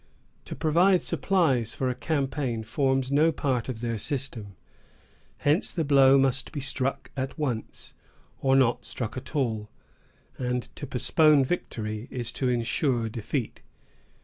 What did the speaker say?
To provide supplies for a campaign forms no part of their system. Hence the blow must be struck at once, or not struck at all; and to postpone victory is to insure defeat.